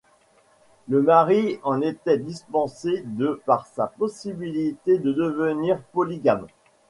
Le mari en était dispensé de par sa possibilité de devenir polygame.